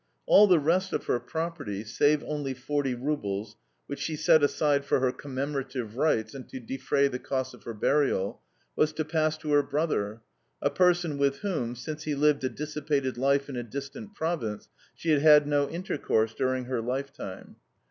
All the rest of her property (save only forty roubles, which she set aside for her commemorative rites and to defray the costs of her burial) was to pass to her brother, a person with whom, since he lived a dissipated life in a distant province, she had had no intercourse during her lifetime.